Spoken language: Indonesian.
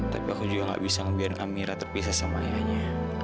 tapi aku juga nggak bisa ngebiar amira terpisah sama ayahnya